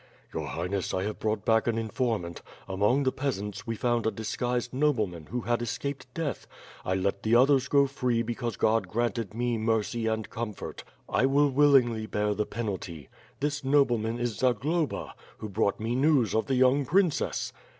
"Your Highness, I have brought back an informant; among the peasants, we found a disguised nobleman, who had escaped death. I let the others go free because God granted me mercy and comfort. I will willingly bear the penalty. This nobleman is Zagloba, who brought me news of the young princess."